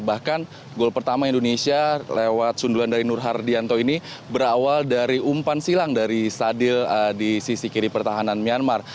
bahkan gol pertama indonesia lewat sundulan dari nur hardianto ini berawal dari umpan silang dari sadil di sisi kiri pertahanan myanmar